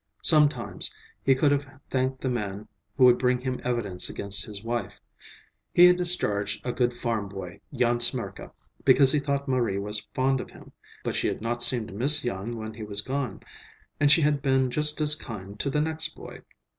Sometimes he could have thanked the man who would bring him evidence against his wife. He had discharged a good farm boy, Jan Smirka, because he thought Marie was fond of him; but she had not seemed to miss Jan when he was gone, and she had been just as kind to the next boy.